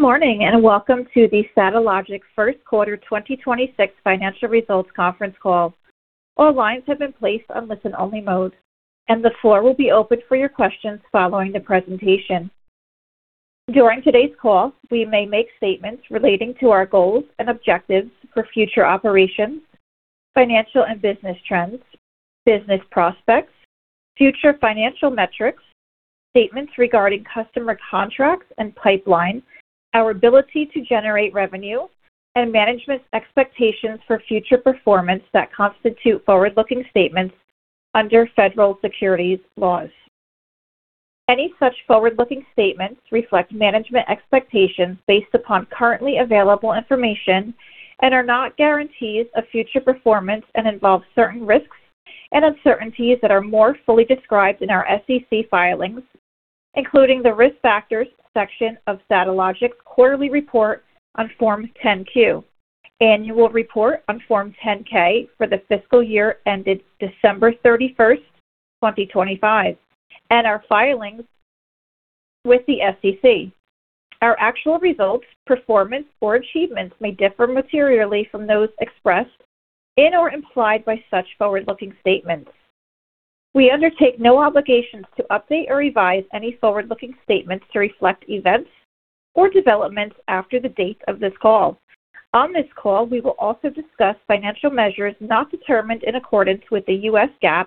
Morning, welcome to the Satellogic First Quarter 2026 financial results conference call. All lines have been placed on listen-only mode, and the floor will be open for your questions following the presentation. During today's call, we may make statements relating to our goals and objectives for future operations, financial and business trends, business prospects, future financial metrics, statements regarding customer contracts and pipelines, our ability to generate revenue, and management's expectations for future performance that constitute forward-looking statements under federal securities laws. Any such forward-looking statements reflect management expectations based upon currently available information and are not guarantees of future performance and involve certain risks and uncertainties that are more fully described in our SEC filings, including the Risk Factors section of Satellogic's quarterly report on Form 10-Q, annual report on Form 10-K for the fiscal year ended December 31st, 2025, and our filings with the SEC. Our actual results, performance or achievements may differ materially from those expressed in or implied by such forward-looking statements. We undertake no obligations to update or revise any forward-looking statements to reflect events or developments after the date of this call. On this call, we will also discuss financial measures not determined in accordance with the US GAAP,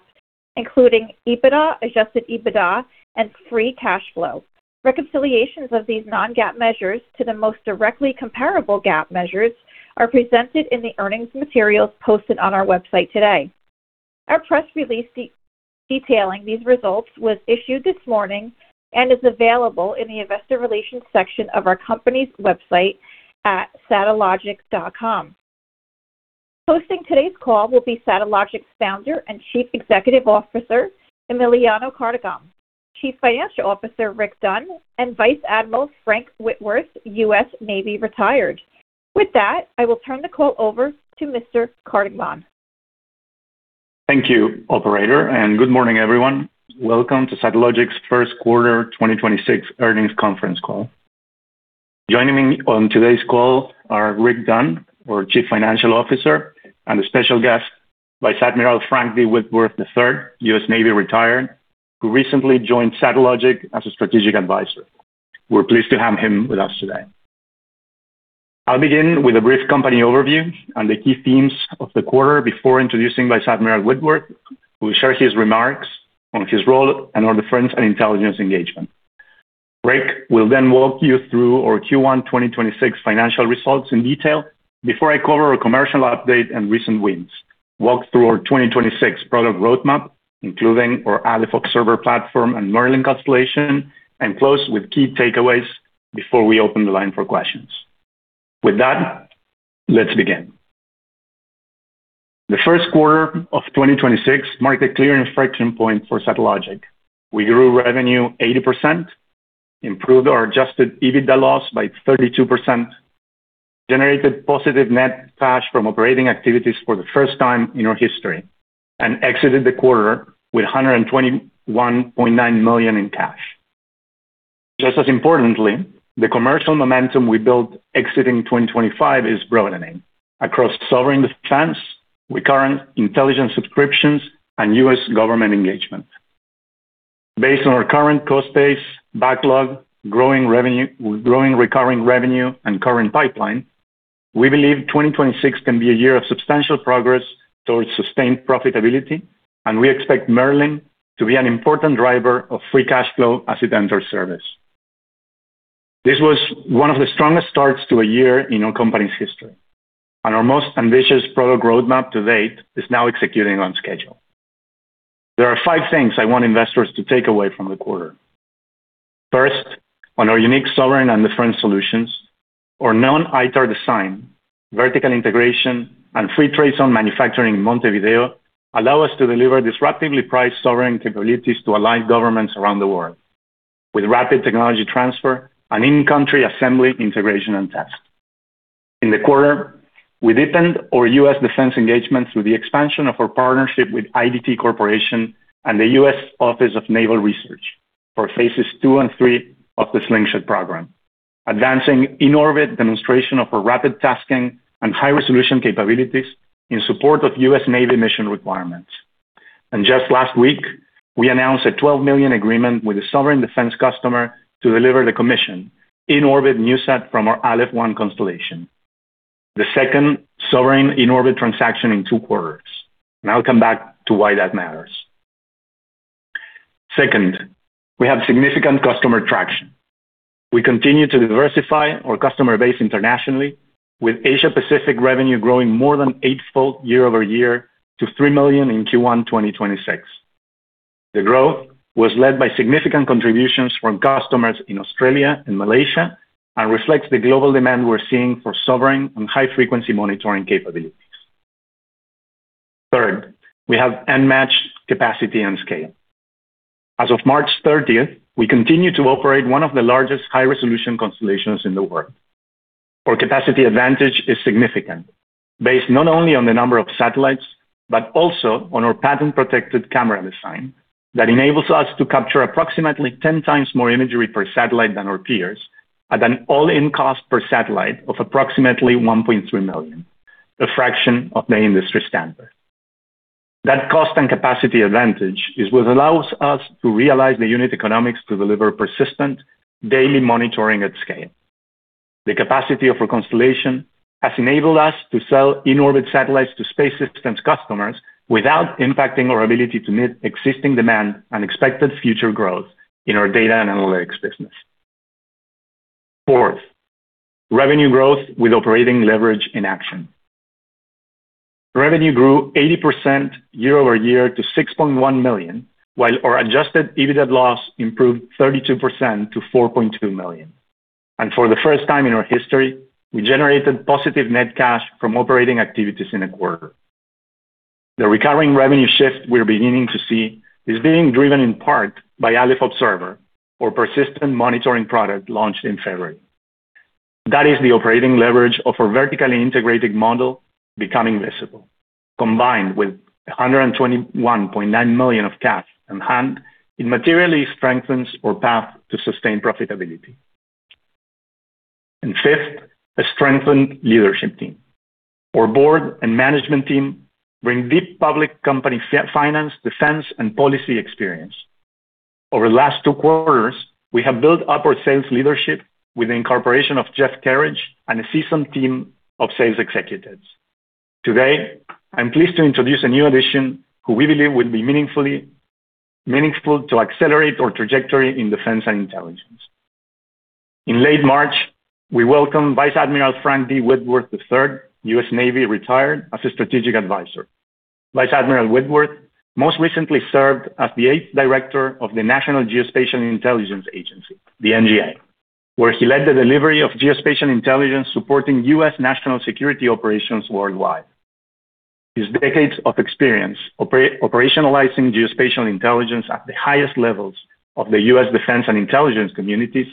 including EBITDA, adjusted EBITDA, and free cash flow. Reconciliations of these non-GAAP measures to the most directly comparable GAAP measures are presented in the earnings materials posted on our website today. Our press release detailing these results was issued this morning and is available in the Investor Relations section of our company's website at satellogic.com. Hosting today's call will be Satellogic's Founder and Chief Executive Officer, Emiliano Kargieman, Chief Financial Officer Rick Dunn, and Vice Admiral Frank Whitworth, U.S. Navy retired. With that, I will turn the call over to Mr. Kargieman. Thank you, operator, good morning, everyone. Welcome to Satellogic's first quarter 2026 earnings conference call. Joining me on today's call are Rick Dunn, our Chief Financial Officer, and a special guest, Vice Admiral Frank D. Whitworth III, U.S. Navy retired, who recently joined Satellogic as a strategic advisor. We're pleased to have him with us today. I'll begin with a brief company overview and the key themes of the quarter before introducing Vice Admiral Whitworth, who will share his remarks on his role and our defense and intelligence engagement. Rick will walk you through our Q1 2026 financial results in detail before I cover our commercial update and recent wins. I will walk through our 2026 product roadmap, including our Aleph Observer platform and Merlin constellation, and close with key takeaways before we open the line for questions. With that, let's begin. The first quarter of 2026 marked a clear inflection point for Satellogic. We grew revenue 80%, improved our adjusted EBITDA loss by 32%, generated positive net cash from operating activities for the first time in our history, and exited the quarter with $121.9 million in cash. Just as importantly, the commercial momentum we built exiting 2025 is growing across sovereign defense, recurring intelligence subscriptions, and U.S. government engagement. Based on our current cost base, backlog, growing recurring revenue and current pipeline, we believe 2026 can be a year of substantial progress towards sustained profitability, and we expect Merlin to be an important driver of free cash flow as it enters service. This was one of the strongest starts to a year in our company's history, and our most ambitious product roadmap to date is now executing on schedule. There are five things I want investors to take away from the quarter. First, on our unique sovereign and defense solutions, our non-ITAR design, vertical integration, and free trade zone manufacturing in Montevideo allow us to deliver disruptively priced sovereign capabilities to allied governments around the world with rapid technology transfer and in-country assembly, integration, and test. In the quarter, we deepened our U.S. defense engagement through the expansion of our partnership with IDT Corporation and the U.S. Office of Naval Research for phases 2 and 3 of the Slingshot program, advancing in-orbit demonstration of our rapid tasking and high-resolution capabilities in support of U.S. Navy mission requirements. Just last week, we announced a $12 million agreement with a sovereign defense customer to deliver the commission in-orbit NewSat from our Aleph-1 constellation, the second sovereign in-orbit transaction in two quarters, and I'll come back to why that matters. Second, we have significant customer traction. We continue to diversify our customer base internationally, with Asia Pacific revenue growing more than eightfold year-over-year to $3 million in Q1 2026. The growth was led by significant contributions from customers in Australia and Malaysia and reflects the global demand we're seeing for sovereign and high-frequency monitoring capabilities. Third, we have unmatched capacity and scale. As of March 30th, we continue to operate one of the largest high-resolution constellations in the world. Our capacity advantage is significant. Based not only on the number of satellites, but also on our patent-protected camera design that enables us to capture approximately 10 times more imagery per satellite than our peers at an all-in cost per satellite of approximately $1.3 million, a fraction of the industry standard. That cost and capacity advantage is what allows us to realize the unit economics to deliver persistent daily monitoring at scale. The capacity of our constellation has enabled us to sell in-orbit satellites to Space Systems customers without impacting our ability to meet existing demand and expected future growth in our data and analytics business. Fourth, revenue growth with operating leverage in action. Revenue grew 80% year-over-year to $6.1 million, while our adjusted EBITDA loss improved 32% to $4.2 million. For the first time in our history, we generated positive net cash from operating activities in a quarter. The recurring revenue shift we're beginning to see is being driven in part by Aleph Observer, our persistent monitoring product launched in February. That is the operating leverage of our vertically integrated model becoming visible. Combined with $121.9 million of cash on hand, it materially strengthens our path to sustain profitability. Fifth, a strengthened leadership team. Our board and management team bring deep public company finance, defense, and policy experience. Over the last two quarters, we have built up our sales leadership with the incorporation of Jeff Kerridge and a seasoned team of sales executives. Today, I'm pleased to introduce a new addition who we believe will be meaningful to accelerate our trajectory in defense and intelligence. In late March, we welcomed Vice Admiral Frank D. Whitworth III, U.S. Navy Retired, as a strategic advisor. Vice Admiral Whitworth most recently served as the eighth director of the National Geospatial-Intelligence Agency, the NGA, where he led the delivery of geospatial intelligence supporting U.S. national security operations worldwide. His decades of experience operationalizing geospatial intelligence at the highest levels of the U.S. defense and intelligence communities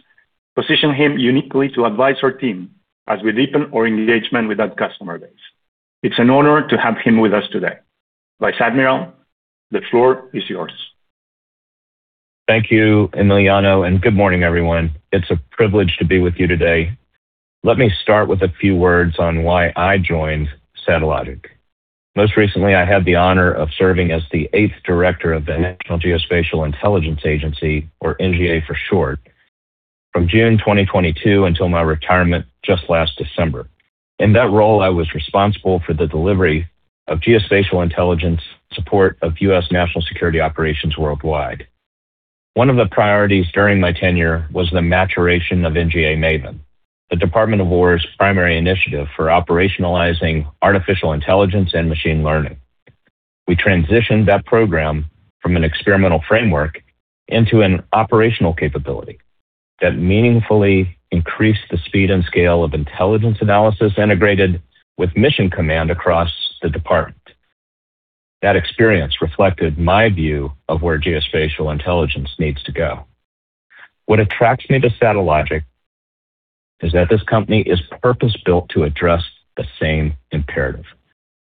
position him uniquely to advise our team as we deepen our engagement with that customer base. It's an honor to have him with us today. Vice Admiral, the floor is yours. Thank you, Emiliano. Good morning, everyone. It's a privilege to be with you today. Let me start with a few words on why I joined Satellogic. Most recently, I had the honor of serving as the 8th director of the National Geospatial-Intelligence Agency, or NGA for short, from June 2022 until my retirement just last December. In that role, I was responsible for the delivery of geospatial intelligence support of U.S. national security operations worldwide. One of the priorities during my tenure was the maturation of NGA Maven, the Department of Defense's primary initiative for operationalizing artificial intelligence and machine learning. We transitioned that program from an experimental framework into an operational capability that meaningfully increased the speed and scale of intelligence analysis integrated with mission command across the department. That experience reflected my view of where geospatial intelligence needs to go. What attracts me to Satellogic is that this company is purpose-built to address the same imperative.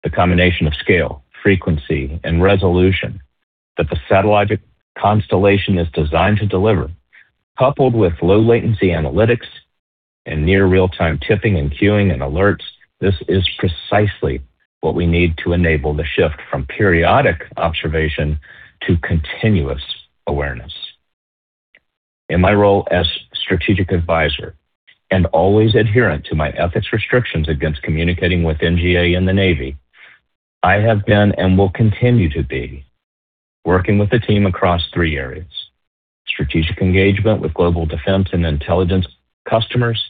The combination of scale, frequency, and resolution that the Satellogic constellation is designed to deliver, coupled with low latency analytics and near real-time tipping and queuing and alerts, this is precisely what we need to enable the shift from periodic observation to continuous awareness. In my role as strategic advisor, and always adherent to my ethics restrictions against communicating with NGA and the Navy, I have been and will continue to be working with the team across three areas: strategic engagement with global defense and intelligence customers,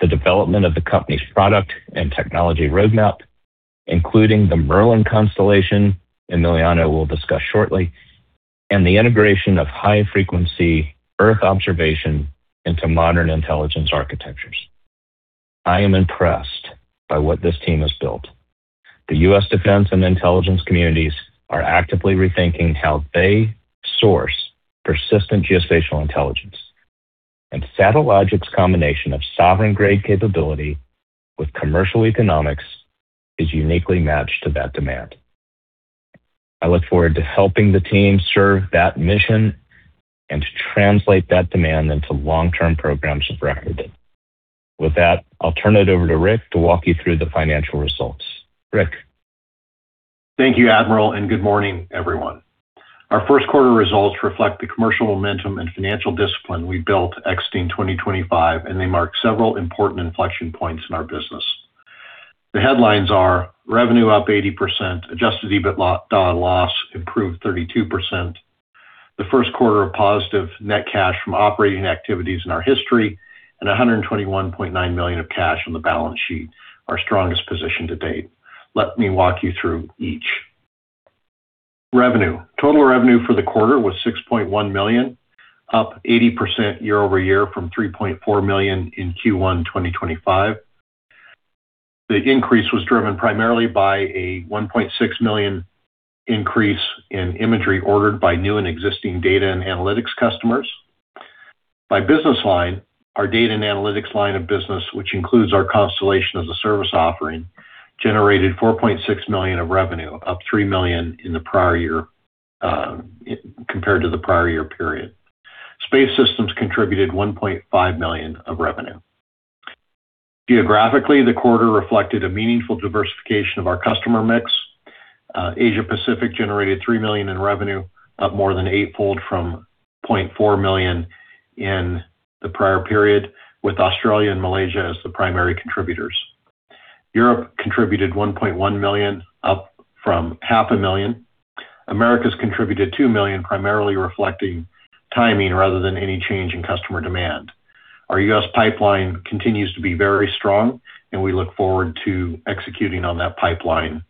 the development of the company's product and technology roadmap, including the Merlin constellation Emiliano will discuss shortly, and the integration of high-frequency Earth observation into modern intelligence architectures. I am impressed by what this team has built. The U.S. defense and intelligence communities are actively rethinking how they source persistent geospatial intelligence, and Satellogic's combination of sovereign-grade capability with commercial economics is uniquely matched to that demand. I look forward to helping the team serve that mission and to translate that demand into long-term programs of record. With that, I'll turn it over to Rick to walk you through the financial results. Rick. Thank you, Admiral, good morning, everyone. Our first quarter results reflect the commercial momentum and financial discipline we built exiting 2025. They mark several important inflection points in our business. The headlines are: revenue up 80%, adjusted EBITDA loss improved 32%, the first quarter of positive net cash from operating activities in our history, and $121.9 million of cash on the balance sheet, our strongest position to date. Let me walk you through each. Revenue. Total revenue for the quarter was $6.1 million, up 80% year-over-year from $3.4 million in Q1 2025. The increase was driven primarily by a $1.6 million increase in imagery ordered by new and existing data and analytics customers. By business line, our data and analytics line of business, which includes our constellation as a service offering, generated $4.6 million of revenue, up $3 million in the prior year, compared to the prior year period. Space Systems contributed $1.5 million of revenue. Geographically, the quarter reflected a meaningful diversification of our customer mix. Asia-Pacific generated $3 million in revenue, up more than eightfold from $0.4 million in the prior period, with Australia and Malaysia as the primary contributors. Europe contributed $1.1 million, up from half a million. Americas contributed $2 million, primarily reflecting timing rather than any change in customer demand. Our U.S. pipeline continues to be very strong, and we look forward to executing on that pipeline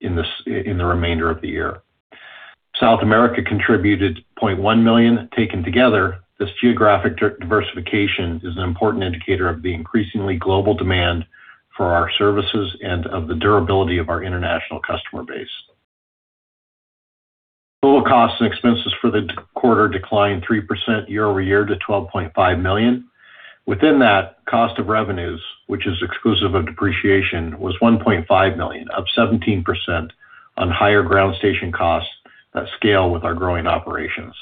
in the remainder of the year. South America contributed $0.1 million. Taken together, this geographic diversification is an important indicator of the increasingly global demand for our services and of the durability of our international customer base. Total costs and expenses for the quarter declined 3% year-over-year to $12.5 million. Within that, cost of revenues, which is exclusive of depreciation, was $1.5 million, up 17% on higher ground station costs that scale with our growing operations.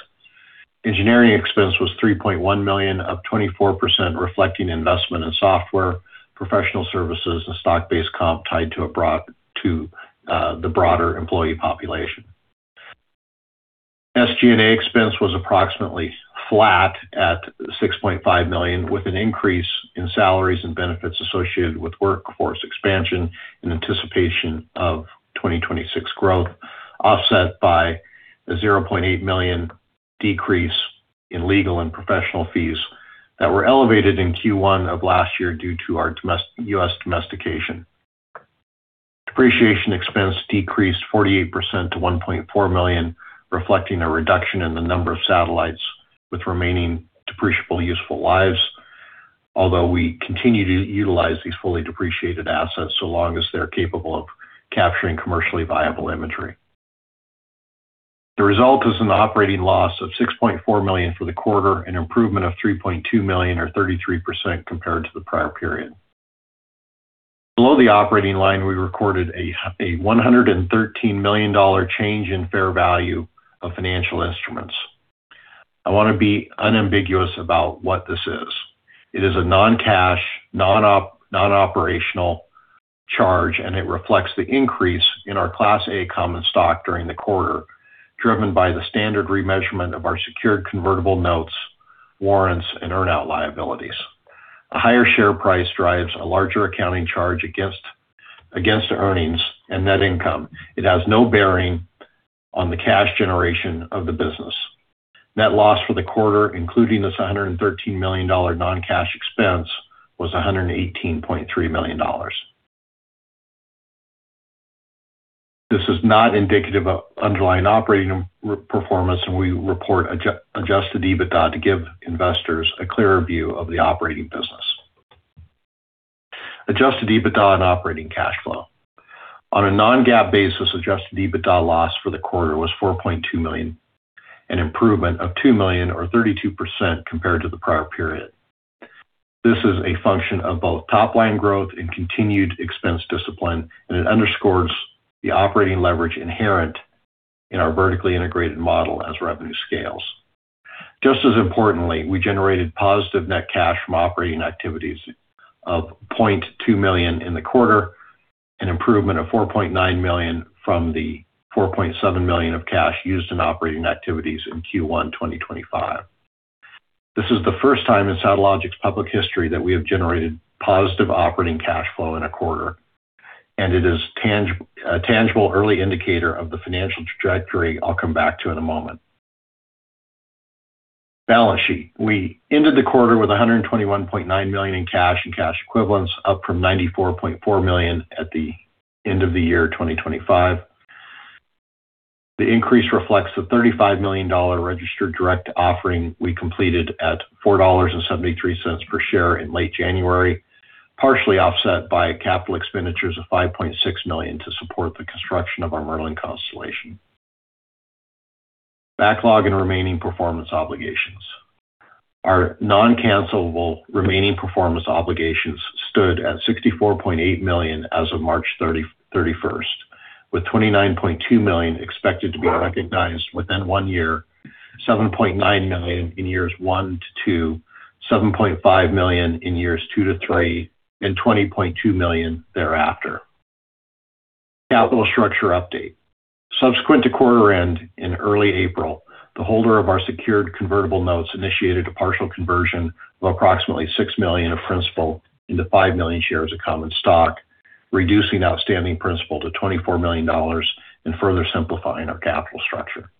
Engineering expense was $3.1 million, up 24%, reflecting investment in software, professional services, and stock-based comp tied to the broader employee population. SG&A expense was approximately flat at $6.5 million, with an increase in salaries and benefits associated with workforce expansion in anticipation of 2026 growth, offset by a $0.8 million decrease in legal and professional fees that were elevated in Q1 of last year due to our U.S. domestication. Depreciation expense decreased 48% to $1.4 million, reflecting a reduction in the number of satellites with remaining depreciable useful lives, although we continue to utilize these fully depreciated assets so long as they're capable of capturing commercially viable imagery. The result is an operating loss of $6.4 million for the quarter, an improvement of $3.2 million, or 33% compared to the prior period. Below the operating line, we recorded a $113 million change in fair value of financial instruments. I wanna be unambiguous about what this is. It is a non-cash, non-op-non-operational charge, and it reflects the increase in our Class A common stock during the quarter, driven by the standard remeasurement of our secured convertible notes, warrants, and earn-out liabilities. A higher share price drives a larger accounting charge against earnings and net income. It has no bearing on the cash generation of the business. Net loss for the quarter, including this $113 million non-cash expense, was $118.3 million. This is not indicative of underlying operating performance, and we report adjusted EBITDA to give investors a clearer view of the operating business. Adjusted EBITDA and operating cash flow. On a non-GAAP basis, adjusted EBITDA loss for the quarter was $4.2 million, an improvement of $2 million or 32% compared to the prior period. This is a function of both top-line growth and continued expense discipline, and it underscores the operating leverage inherent in our vertically integrated model as revenue scales. Just as importantly, we generated positive net cash from operating activities of $0.2 million in the quarter, an improvement of $4.9 million from the $4.7 million of cash used in operating activities in Q1 2025. This is the first time in Satellogic's public history that we have generated positive operating cash flow in a quarter, and it is a tangible early indicator of the financial trajectory I'll come back to in a moment. Balance sheet. We ended the quarter with $121.9 million in cash and cash equivalents, up from $94.4 million at the end of the year 2025. The increase reflects the $35 million registered direct offering we completed at $4.73 per share in late January, partially offset by capital expenditures of $5.6 million to support the construction of our Merlin constellation. Backlog and remaining performance obligations. Our non-cancellable remaining performance obligations stood at $64.8 million as of March 31st, with $29.2 million expected to be recognized within one year, $7.9 million in years one to two, $7.5 million in years two to three, and $20.2 million thereafter. Capital structure update. Subsequent to quarter end in early April, the holder of our secured convertible notes initiated a partial conversion of approximately $6 million of principal into five million shares of common stock, reducing outstanding principal to $24 million and further simplifying our capital structure.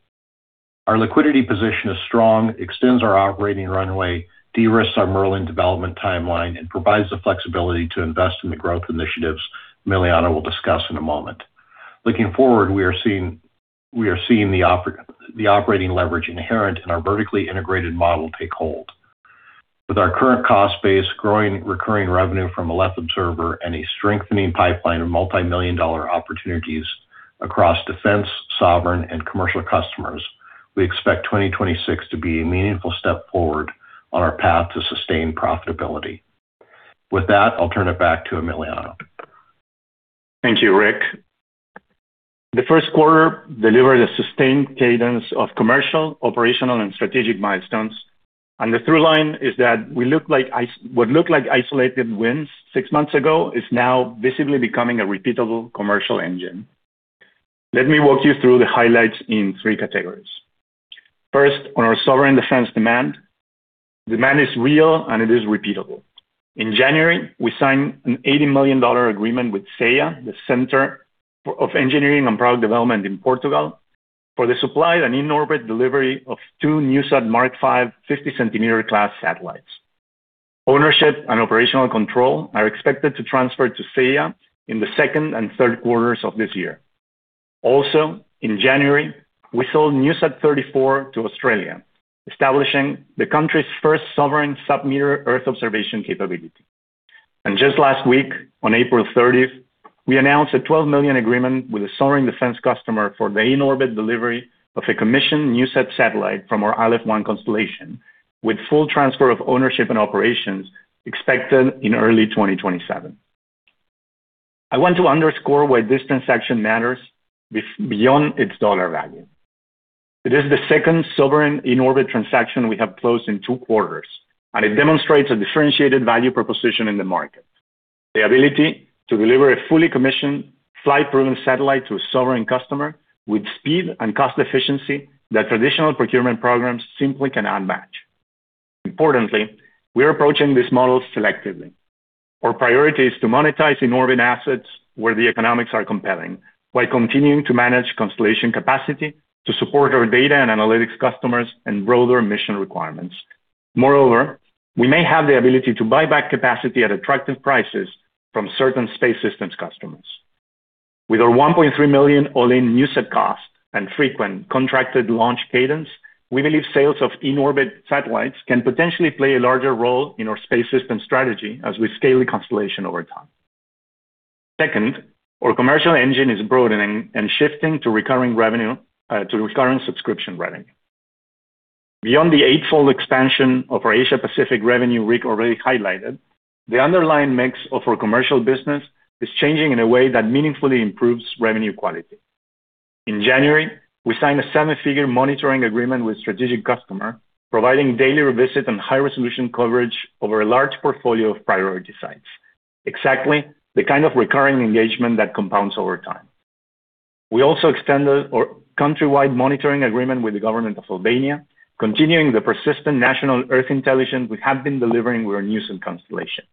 Our liquidity position is strong, extends our operating runway, de-risks our Merlin development timeline, and provides the flexibility to invest in the growth initiatives Emiliano will discuss in a moment. Looking forward, we are seeing the operating leverage inherent in our vertically integrated model take hold. With our current cost base, growing recurring revenue from Aleph Observer and a strengthening pipeline of multimillion-dollar opportunities across defense, sovereign, and commercial customers, we expect 2026 to be a meaningful step forward on our path to sustained profitability. With that, I'll turn it back to Emiliano. Thank you, Rick. The first quarter delivered a sustained cadence of commercial, operational, and strategic milestones. The through line is that what looked like isolated wins six months ago is now visibly becoming a repeatable commercial engine. Let me walk you through the highlights in three categories. First, on our sovereign defense demand. Demand is real, and it is repeatable. In January, we signed an $80 million agreement with CEiiA, the Center of Engineering and Product Development in Portugal, for the supply and in-orbit delivery of two NewSat Mark V 50 cm class satellites. Ownership and operational control are expected to transfer to CEiiA in the second and third quarters of this year. In January, we sold NewSat-34 to Australia, establishing the country's first sovereign sub-meter Earth observation capability. Just last week, on April 30th, we announced a $12 million agreement with a sovereign defense customer for the in-orbit delivery of a commissioned NewSat satellite from our Aleph-1 constellation, with full transfer of ownership and operations expected in early 2027. I want to underscore why this transaction matters beyond its dollar value. It is the second sovereign in-orbit transaction we have closed in two quarters, and it demonstrates a differentiated value proposition in the market. The ability to deliver a fully commissioned flight-proven satellite to a sovereign customer with speed and cost efficiency that traditional procurement programs simply cannot match. Importantly, we are approaching this model selectively. Our priority is to monetize in-orbit assets where the economics are compelling while continuing to manage constellation capacity to support our data and analytics customers and grow their mission requirements. Moreover, we may have the ability to buy back capacity at attractive prices from certain space systems customers. With our $1.3 million all-in NewSat cost and frequent contracted launch cadence, we believe sales of in-orbit satellites can potentially play a larger role in our space system strategy as we scale the constellation over time. Second, our commercial engine is broadening and shifting to recurring subscription revenue. Beyond the eightfold expansion of our Asia Pacific revenue Rick already highlighted, the underlying mix of our commercial business is changing in a way that meaningfully improves revenue quality. In January, we signed a seven figure monitoring agreement with strategic customer, providing daily revisit and high-resolution coverage over a large portfolio of priority sites. Exactly the kind of recurring engagement that compounds over time. We also extended our countrywide monitoring agreement with the government of Albania, continuing the persistent national Earth intelligence we have been delivering with our NewSat constellation.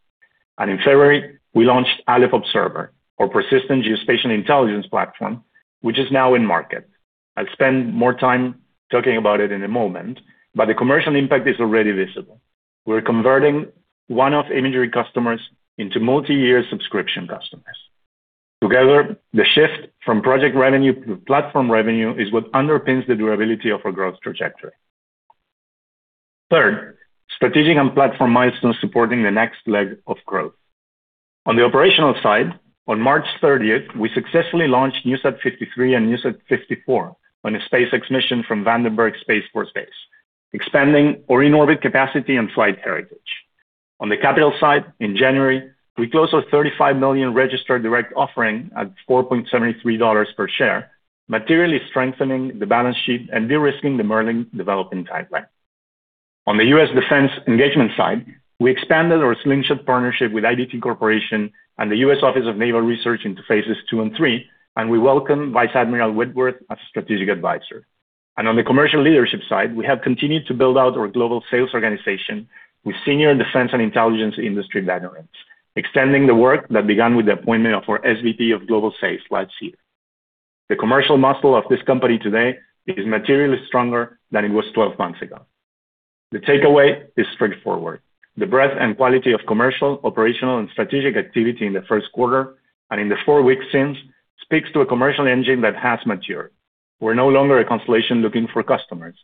In February, we launched Aleph Observer, our persistent geospatial intelligence platform, which is now in market. I'll spend more time talking about it in a moment, the commercial impact is already visible. We're converting one-off imagery customers into multi-year subscription customers. Together, the shift from project revenue to platform revenue is what underpins the durability of our growth trajectory. Third, strategic and platform milestones supporting the next leg of growth. On the operational side, on March 30th, we successfully launched NewSat 53 and NewSat 54 on a SpaceX mission from Vandenberg Space Force Base, expanding our in-orbit capacity and flight heritage. On the capital side, in January, we closed our $35 million registered direct offering at $4.73 per share, materially strengthening the balance sheet and de-risking the Merlin development timeline. On the U.S. defense engagement side, we expanded our Slingshot partnership with IDT Corporation and the U.S. Office of Naval Research into phases 2 and 3. We welcome Vice Admiral Whitworth as strategic advisor. On the commercial leadership side, we have continued to build out our global sales organization with senior defense and intelligence industry veterans, extending the work that began with the appointment of our SVP of Global Sales last year. The commercial muscle of this company today is materially stronger than it was 12 months ago. The takeaway is straightforward. The breadth and quality of commercial, operational, and strategic activity in the first quarter and in the four weeks since speaks to a commercial engine that has matured. We're no longer a constellation looking for customers.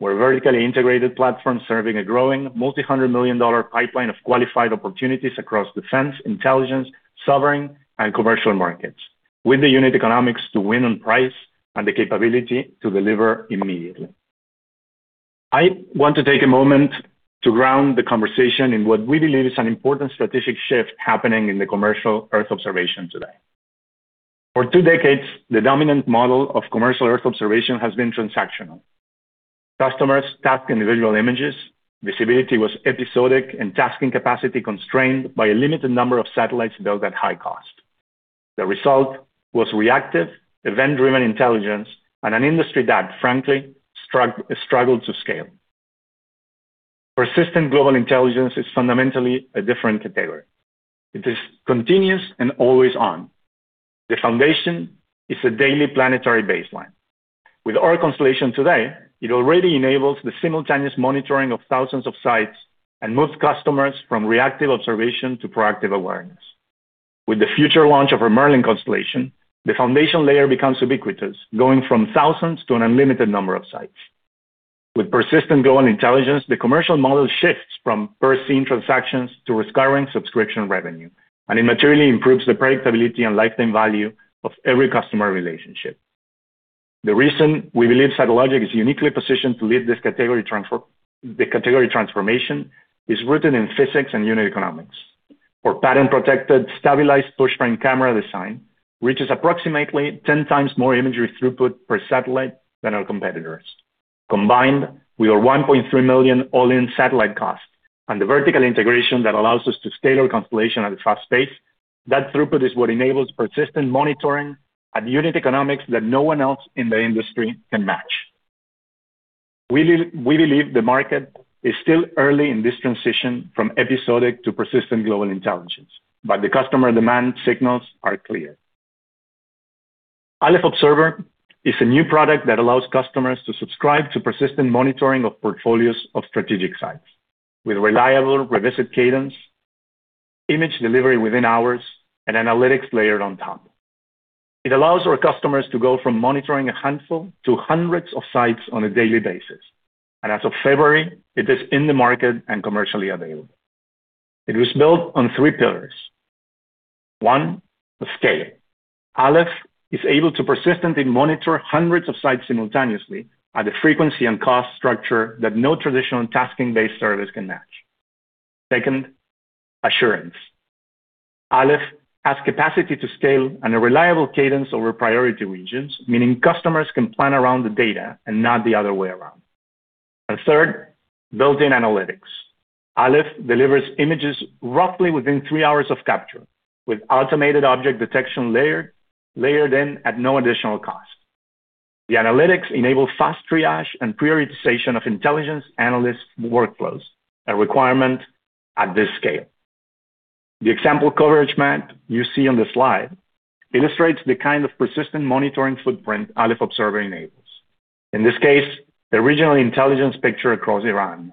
We're a vertically integrated platform serving a growing multi-hundred million dollar pipeline of qualified opportunities across defense, intelligence, sovereign, and commercial markets, with the unit economics to win on price and the capability to deliver immediately. I want to take a moment to ground the conversation in what we believe is an important strategic shift happening in the commercial earth observation today. For two decades, the dominant model of commercial earth observation has been transactional. Customers tasked individual images, visibility was episodic, and tasking capacity constrained by a limited number of satellites built at high cost. The result was reactive, event-driven intelligence and an industry that, frankly, struggled to scale. Persistent global intelligence is fundamentally a different category. It is continuous and always on. The foundation is a daily planetary baseline. With our constellation today, it already enables the simultaneous monitoring of thousands of sites and moves customers from reactive observation to proactive awareness. With the future launch of our Merlin constellation, the foundation layer becomes ubiquitous, going from thousands to an unlimited number of sites. With persistent global intelligence, the commercial model shifts from per scene transactions to recurring subscription revenue, and it materially improves the predictability and lifetime value of every customer relationship. The reason we believe Satellogic is uniquely positioned to lead the category transformation is rooted in physics and unit economics. For patent-protected, stabilized pushbroom camera design, reaches approximately 10x more imagery throughput per satellite than our competitors. Combined, we are $1.3 million all-in satellite costs and the vertical integration that allows us to scale our constellation at a fast pace. That throughput is what enables persistent monitoring at unit economics that no one else in the industry can match. We believe the market is still early in this transition from episodic to persistent global intelligence. The customer demand signals are clear. Aleph Observer is a new product that allows customers to subscribe to persistent monitoring of portfolios of strategic sites with reliable revisit cadence, image delivery within hours, and analytics layered on top. It allows our customers to go from monitoring a handful to hundreds of sites on a daily basis. As of February, it is in the market and commercially available. It was built on three pillars. One. The scale. Aleph is able to persistently monitor hundreds of sites simultaneously at a frequency and cost structure that no traditional tasking-based service can match. Second, assurance. Aleph has capacity to scale and a reliable cadence over priority regions, meaning customers can plan around the data and not the other way around. Third, built-in analytics. Aleph delivers images roughly within three hours of capture, with automated object detection layered in at no additional cost. The analytics enable fast triage and prioritization of intelligence analysts' workflows, a requirement at this scale. The example coverage map you see on the slide illustrates the kind of persistent monitoring footprint Aleph Observer enables. In this case, the regional intelligence picture across Iran.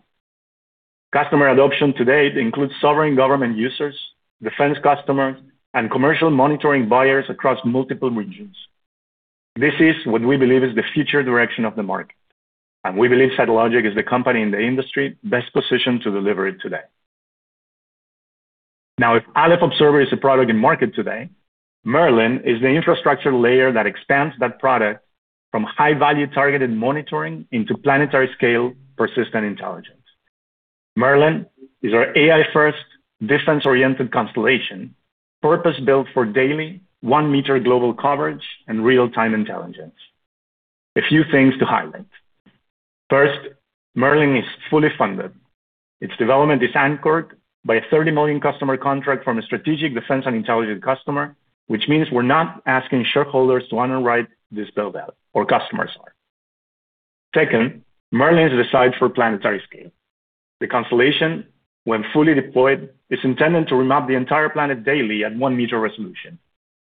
Customer adoption to date includes sovereign government users, defense customers, and commercial monitoring buyers across multiple regions. This is what we believe is the future direction of the market, we believe Satellogic is the company in the industry best positioned to deliver it today. If Aleph Observer is a product in market today, Merlin is the infrastructure layer that expands that product from high-value targeted monitoring into planetary scale persistent intelligence. Merlin is our AI-first, defense-oriented constellation, purpose-built for daily 1 m global coverage and real-time intelligence. A few things to highlight. First, Merlin is fully funded. Its development is anchored by a $30 million customer contract from a strategic defense and intelligence customer, which means we're not asking shareholders to underwrite this build-out or customers are. Second, Merlin is designed for planetary scale. The constellation, when fully deployed, is intended to remap the entire planet daily at 1 m resolution.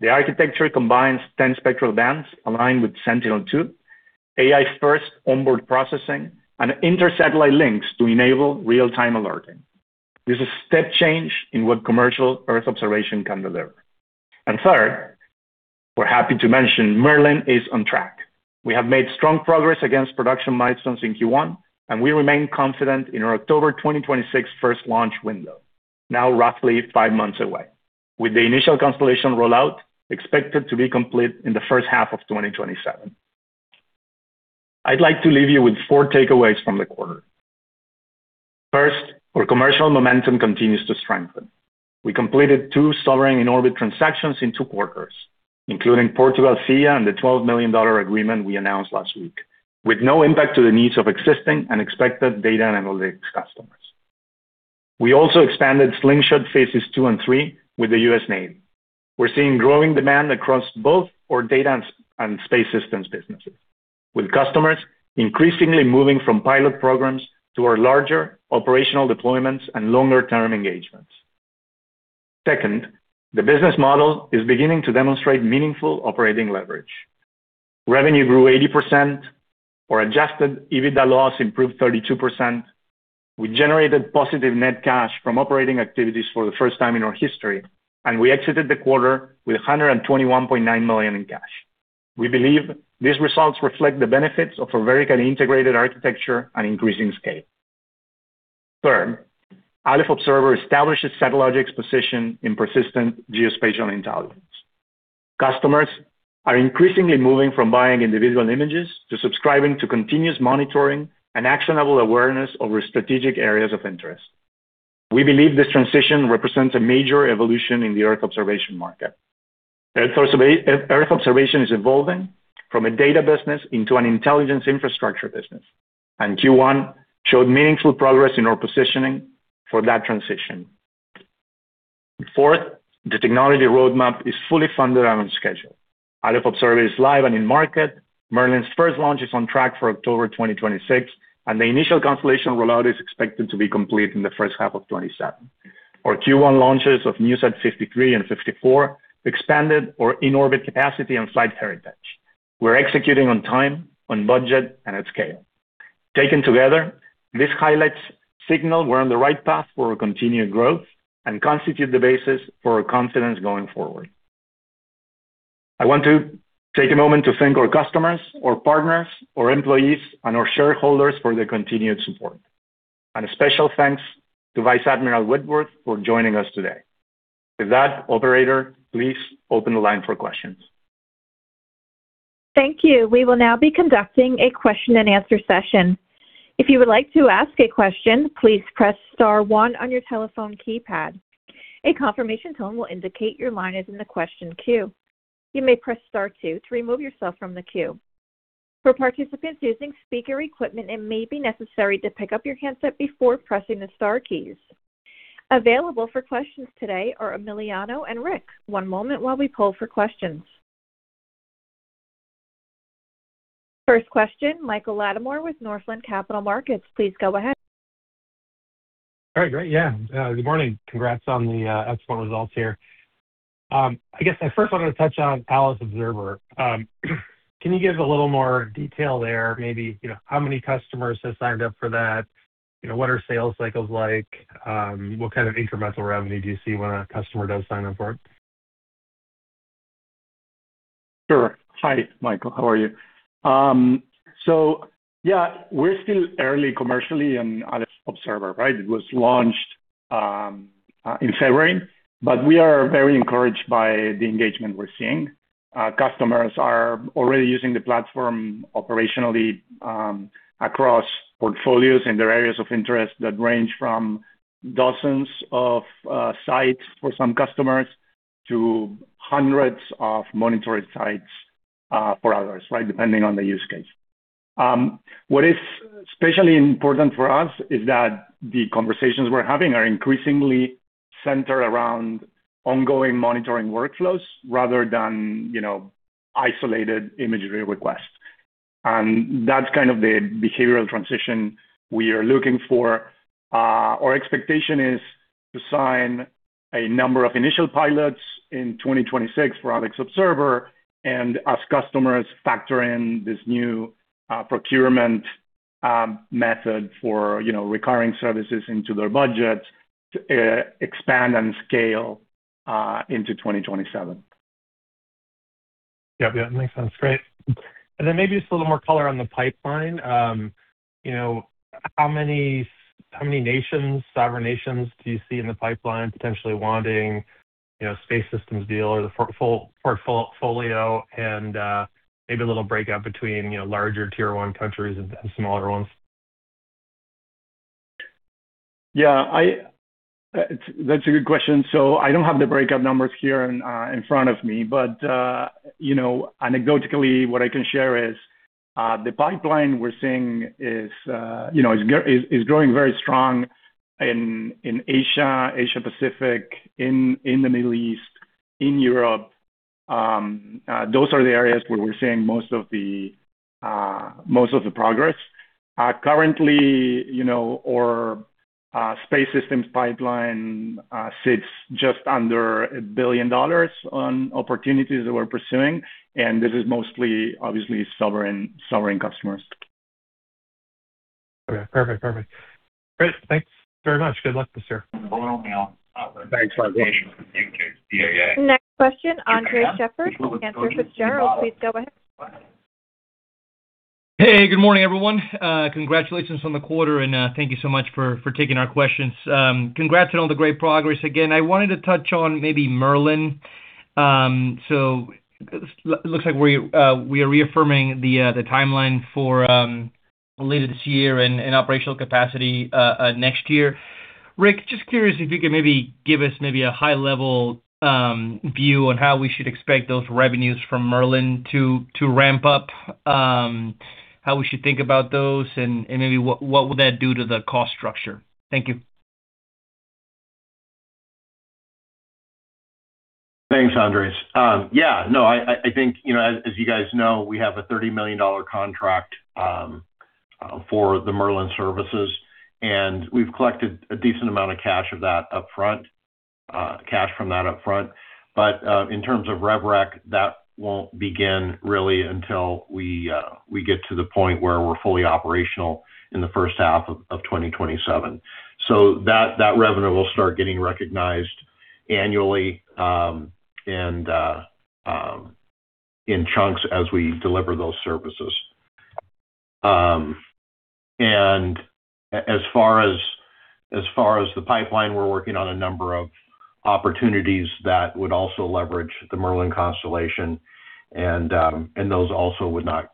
The architecture combines 10 spectral bands aligned with Sentinel-2, AI-first onboard processing, and intersatellite links to enable real-time alerting. This is a step change in what commercial Earth observation can deliver. Third, we're happy to mention Merlin is on track. We have made strong progress against production milestones in Q1, and we remain confident in our October 2026 1st launch window, now roughly five months away. With the initial constellation rollout expected to be complete in the 1st half of 2027. I'd like to leave you with four takeaways from the quarter. First, our commercial momentum continues to strengthen. We completed two sovereign in-orbit transactions in two quarters, including CEiiA and the $12 million agreement we announced last week, with no impact to the needs of existing and expected data analytics customers. We also expanded Slingshot phases 2 and 3 with the U.S. Navy. We're seeing growing demand across both our data and space systems businesses, with customers increasingly moving from pilot programs to our larger operational deployments and longer-term engagements. The business model is beginning to demonstrate meaningful operating leverage. Revenue grew 80% or adjusted, EBITDA loss improved 32%. We generated positive net cash from operating activities for the first time in our history. We exited the quarter with $121.9 million in cash. We believe these results reflect the benefits of a vertically integrated architecture and increasing scale. Aleph Observer establishes Satellogic's position in persistent geospatial intelligence. Customers are increasingly moving from buying individual images to subscribing to continuous monitoring and actionable awareness over strategic areas of interest. We believe this transition represents a major evolution in the Earth observation market. Earth observation is evolving from a data business into an intelligence infrastructure business. Q1 showed meaningful progress in our positioning for that transition. Fourth, the technology roadmap is fully funded and on schedule. Aleph Observer is live and in market. Merlin's first launch is on track for October 2026, and the initial constellation rollout is expected to be complete in the first half of 2027. Our Q1 launches of NewSat 53 and 54 expanded our in-orbit capacity and flight heritage. We're executing on time, on budget, and at scale. Taken together, this highlights signal we're on the right path for our continued growth and constitute the basis for our confidence going forward. I want to take a moment to thank our customers, our partners, our employees, and our shareholders for their continued support. A special thanks to Vice Admiral Whitworth for joining us today. With that, operator, please open the line for questions. Thank you. We will now be conducting a question-and-answer session. If you would like to ask a question, please press star one on your telephone keypad. A confirmation tone will indicate your line is in the question queue. You may press star two to remove yourself from the queue. For participants using speaker equipment, it may be necessary to pick up your handset before pressing the star keys. Available for questions today are Emiliano and Rick. One moment while we poll for questions. First question, Michael Latimore with Northland Capital Markets. Please go ahead. All right, great. Good morning. Congrats on the excellent results here. I guess I first wanted to touch on Aleph Observer. Can you give a little more detail there? Maybe, you know, how many customers have signed up for that? You know, what are sales cycles like? What kind of incremental revenue do you see when a customer does sign up for it? Sure. Hi, Michael. How are you? Yeah, we're still early commercially on Aleph Observer, right? It was launched in February. We are very encouraged by the engagement we're seeing. Customers are already using the platform operationally across portfolios in their areas of interest that range from dozens of sites for some customers to hundreds of monitored sites for others, right? Depending on the use case. What is especially important for us is that the conversations we're having are increasingly centered around ongoing monitoring workflows rather than, you know, isolated imagery requests. That's kind of the behavioral transition we are looking for. Our expectation is to sign a number of initial pilots in 2026 for Aleph Observer and as customers factor in this new procurement method for, you know, recurring services into their budget, expand and scale into 2027. Yeah. Yeah, makes sense. Great. Then maybe just a little more color on the pipeline. You know, how many nations, sovereign nations do you see in the pipeline potentially wanting, you know, space systems deal or the portfolio and, maybe a little breakup between, you know, larger tier 1 countries and smaller ones? That's a good question. I don't have the breakup numbers here in front of me. You know, anecdotally, what I can share is, the pipeline we're seeing is, you know, is growing very strong in Asia Pacific, in the Middle East, in Europe. Those are the areas where we're seeing most of the progress. Currently, you know, our space systems pipeline sits just under $1 billion on opportunities that we're pursuing, and this is mostly obviously sovereign customers. Okay. Perfect. Great. Thanks very much. Good luck this year. Thanks, Michael. Next question, Andres Sheppard with Cantor Fitzgerald. Please go ahead. Hey, good morning, everyone. Congratulations on the quarter, thank you so much for taking our questions. Congrats on all the great progress. I wanted to touch on maybe Merlin. Looks like we are reaffirming the timeline for later this year and operational capacity next year. Rick, just curious if you could maybe give us maybe a high-level view on how we should expect those revenues from Merlin to ramp up, how we should think about those, and maybe what will that do to the cost structure. Thank you. Thanks, Andres. As you guys know, we have a $30 million contract for the Merlin services, and we've collected a decent amount of cash of that upfront, cash from that upfront. In terms of rev rec, that won't begin really until we get to the point where we're fully operational in the first half of 2027. That revenue will start getting recognized annually in chunks as we deliver those services. As far as the pipeline, we're working on a number of opportunities that would also leverage the Merlin constellation, those also would not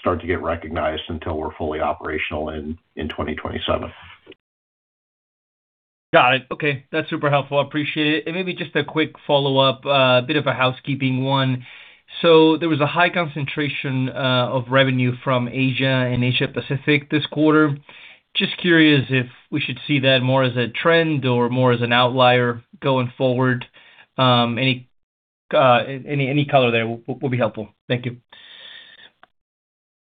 start to get recognized until we're fully operational in 2027. Got it. Okay. That's super helpful. I appreciate it. Maybe just a quick follow-up, bit of a housekeeping one. There was a high concentration of revenue from Asia and Asia Pacific this quarter. Just curious if we should see that more as a trend or more as an outlier going forward. Any color there will be helpful. Thank you.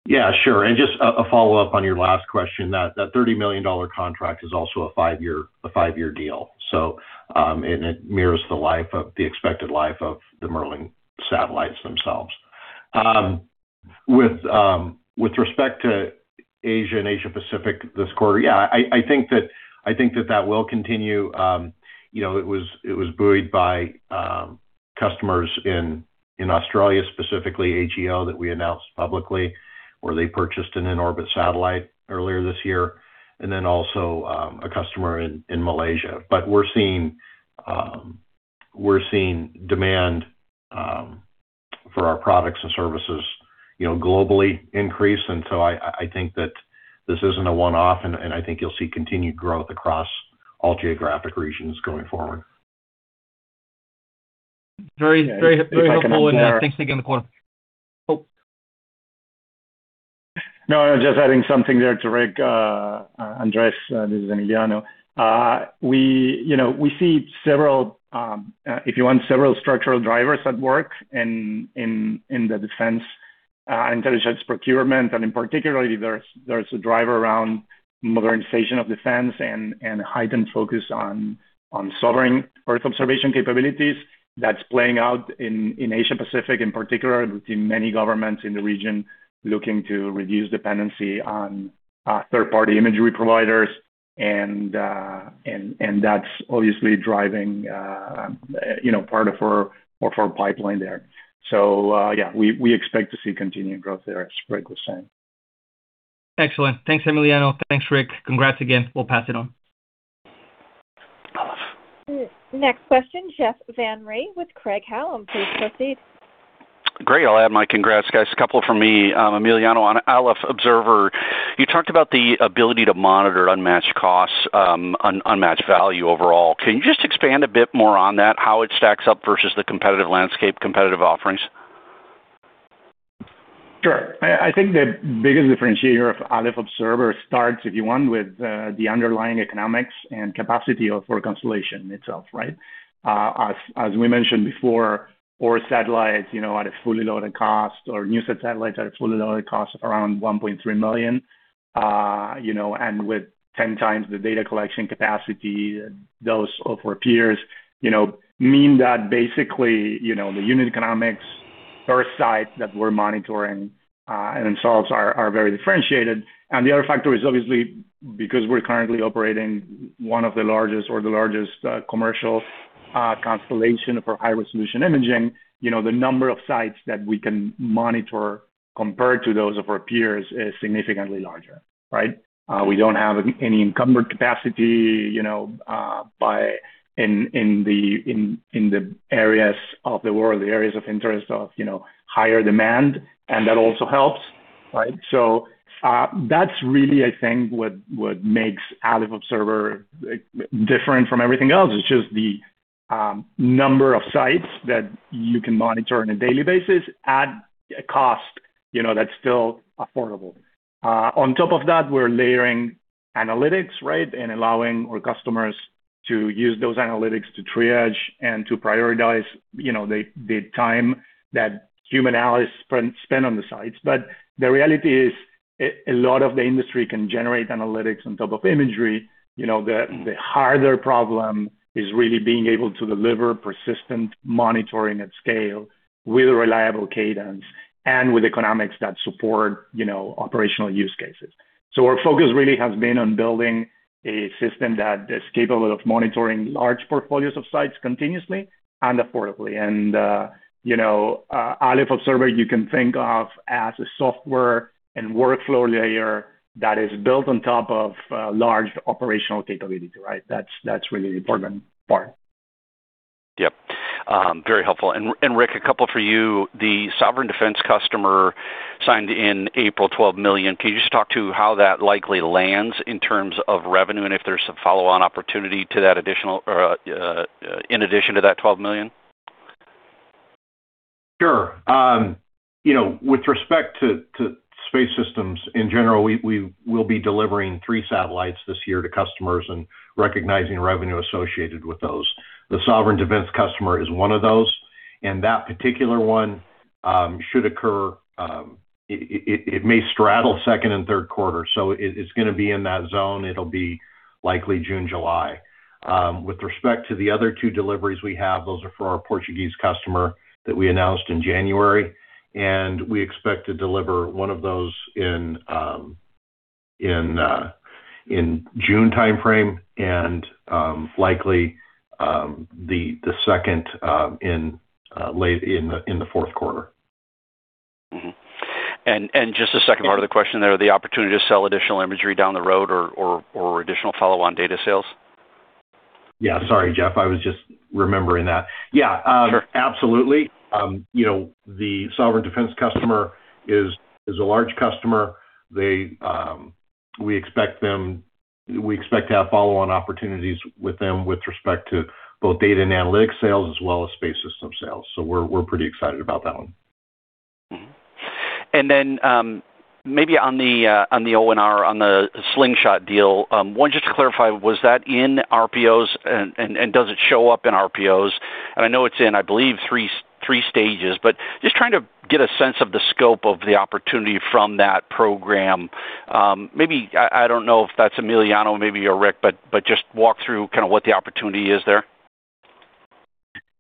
Yeah, sure. Just a follow-up on your last question. That $30 million contract is also a five year deal. It mirrors the expected life of the Merlin satellites themselves. With respect to Asia and Asia Pacific this quarter, I think that will continue. You know, it was buoyed by customers in Australia, specifically HEO that we announced publicly, where they purchased an in-orbit satellite earlier this year. Also a customer in Malaysia. We're seeing demand for our products and services, you know, globally increase. I think that this isn't a one-off, and I think you'll see continued growth across all geographic regions going forward. Very, very, very helpful. If I can add there. Thanks again, on the color. Oh. No, I was just adding something there to Rick. Andres. This is Emiliano. We, you know, we see several, if you want, several structural drivers at work in the defense intelligence procurement. In particular there's a driver around modernization of defense and heightened focus on sovereign Earth observation capabilities that's playing out in Asia Pacific in particular. We've seen many governments in the region looking to reduce dependency on third-party imagery providers and that's obviously driving, you know, part of our pipeline there. Yeah, we expect to see continued growth there, as Rick was saying. Excellent. Thanks, Emiliano. Thanks, Rick. Congrats again. We'll pass it on. Next question, Jeff Van Rhee with Craig-Hallum. Please proceed. Great. I'll add my congrats, guys. A couple from me. Emiliano, on Aleph Observer, you talked about the ability to monitor unmatched costs, unmatched value overall. Can you just expand a bit more on that, how it stacks up versus the competitive landscape, competitive offerings? Sure. I think the biggest differentiator of Aleph Observer starts, if you want, with the underlying economics and capacity of our constellation itself, right? As we mentioned before, our satellites, you know, at a fully loaded cost or NewSat satellites at a fully loaded cost of around $1.3 million. You know, and with 10x the data collection capacity those of our peers, you know, mean that basically, you know, the unit economics per site that we're monitoring, and themselves are very differentiated. The other factor is obviously because we're currently operating one of the largest or the largest commercial constellation for high-resolution imaging. You know, the number of sites that we can monitor compared to those of our peers is significantly larger, right? We don't have any encumbered capacity, you know, by in the areas of the world, the areas of interest of, you know, higher demand, and that also helps, right? That's really, I think, what makes Aleph Observer different from everything else. It's just the number of sites that you can monitor on a daily basis at a cost, you know, that's still affordable. On top of that, we're layering analytics, right? Allowing our customers to use those analytics to triage and to prioritize, you know, the time that human analysts spend on the sites. The reality is, a lot of the industry can generate analytics on top of imagery. You know, the harder problem is really being able to deliver persistent monitoring at scale with reliable cadence and with economics that support, you know, operational use cases. Our focus really has been on building a system that is capable of monitoring large portfolios of sites continuously and affordably. You know, Aleph Observer you can think of as a software and workflow layer that is built on top of large operational capability, right? That's really the important part. Yep. Very helpful. Rick, a couple for you. The sovereign defense customer signed in April $12 million. Can you just talk to how that likely lands in terms of revenue and if there's some follow-on opportunity to that in addition to that $12 million? Sure. you know, with respect to space systems in general, we will be delivering three satellites this year to customers and recognizing revenue associated with those. The sovereign defense customer is one of those, and that particular one should occur. It may straddle second and third quarter, so it's gonna be in that zone. It'll be likely June, July. With respect to the other two deliveries we have, those are for our Portuguese customer that we announced in January, and we expect to deliver one of those in June timeframe and likely the second late in the fourth quarter. Mm-hmm. Just the second part of the question there, the opportunity to sell additional imagery down the road or additional follow-on data sales. Yeah. Sorry, Jeff. I was just remembering that. Yeah. Sure. Absolutely. You know, the sovereign defense customer is a large customer. They, we expect to have follow-on opportunities with them with respect to both data and analytics sales as well as space system sales. We're pretty excited about that one. Maybe on the ONR, on the Slingshot program, one just to clarify, was that in RPOs and does it show up in RPOs? I know it's in, I believe, three, three stages. Just trying to get a sense of the scope of the opportunity from that program. Maybe, I don't know if that's Emiliano, maybe you or Rick, but just walk through kind of what the opportunity is there.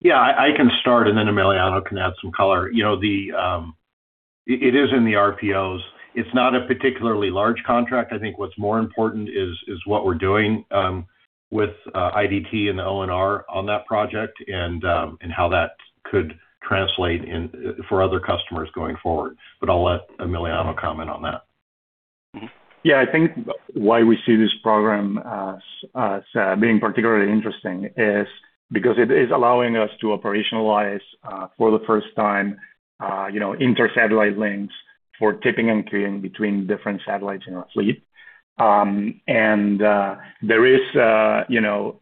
I can start, and then Emiliano can add some color. You know, it is in the RPOs. It's not a particularly large contract. I think what's more important is what we're doing with IDT and the ONR on that project and how that could translate for other customers going forward. I'll let Emiliano comment on that. Yeah. I think why we see this program being particularly interesting is because it is allowing us to operationalize for the first time, you know, inter-satellite links for tipping and queuing between different satellites in our fleet. There is, you know,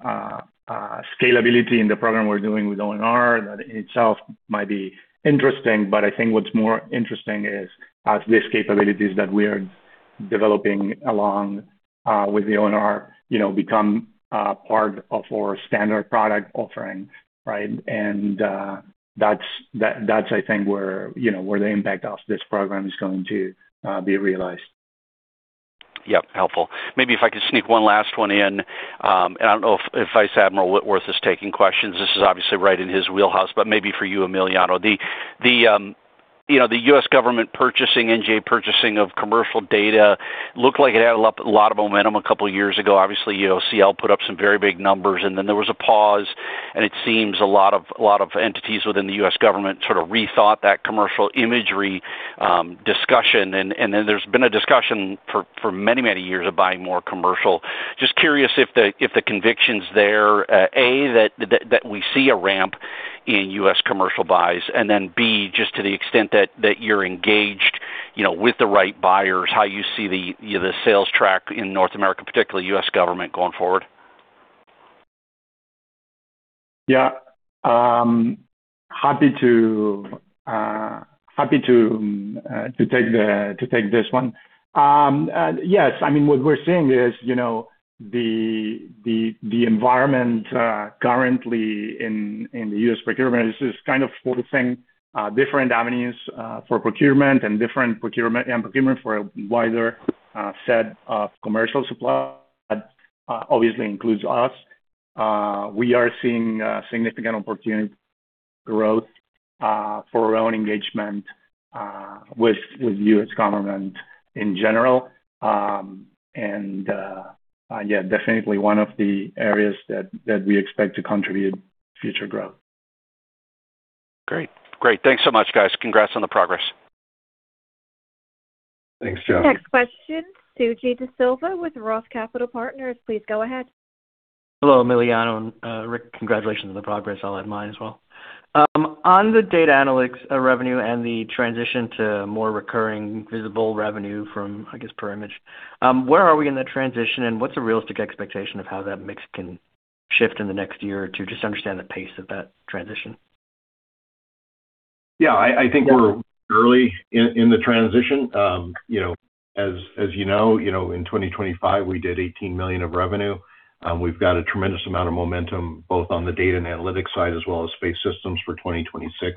scalability in the program we're doing with ONR that in itself might be interesting. I think what's more interesting is as these capabilities that we are developing along with the ONR, you know, become part of our standard product offering, right? That's, I think, where, you know, where the impact of this program is going to be realized. Yeah. Helpful. Maybe if I could sneak one last one in. I don't know if Vice Admiral Frank Whitworth is taking questions. This is obviously right in his wheelhouse, but maybe for you, Emiliano. You know, the U.S. government purchasing, NGA purchasing of commercial data looked like it had a lot of momentum a couple years ago. Obviously, you know, CL put up some very big numbers, and then there was a pause. It seems a lot of entities within the U.S. government sort of rethought that commercial imagery discussion. Then there's been a discussion for many years of buying more commercial. Just curious if the conviction's there, A, that we see a ramp in U.S. commercial buys. B, just to the extent that you're engaged, you know, with the right buyers, how you see the, you know, the sales track in North America, particularly U.S. government going forward. Yeah, happy to take this one. Yes. I mean, what we're seeing is, you know, the environment currently in the U.S. procurement is just kind of forcing different avenues for procurement and different procurement for a wider set of commercial supply. That obviously includes us. We are seeing a significant opportunity growth for our own engagement with U.S. government in general. Yeah, definitely one of the areas that we expect to contribute future growth. Great. Great. Thanks so much, guys. Congrats on the progress. Thanks, Jeff. Next question, Suji DeSilva with ROTH Capital Partners. Please go ahead. Hello, Emiliano and Rick. Congratulations on the progress. I'll add mine as well. On the data analytics revenue and the transition to more recurring visible revenue from, I guess, per image, where are we in that transition, and what's a realistic expectation of how that mix can shift in the next year or two? Just to understand the pace of that transition. I think we're early in the transition. You know, as you know, you know, in 2025, we did $18 million of revenue. We've got a tremendous amount of momentum both on the data and analytics side as well as space systems for 2026.